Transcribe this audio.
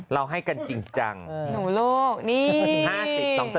เอ้าสำเพ็งร้านทองดีอะ